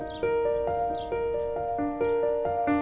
dua tahun ke depan